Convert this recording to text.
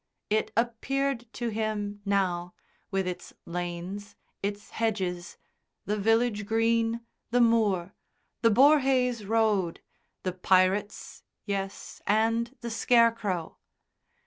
It appeared to him, now, with its lanes, its hedges, the village green, the moor, the Borhaze Road, the pirates, yes, and the Scarecrow.